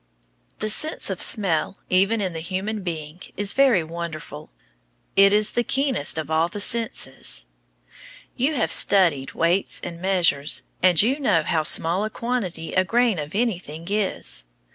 The sense of smell, even in the human being, is very wonderful. It is the keenest of all the senses. You have studied weights and measures, and you know how small a quantity a grain of anything is.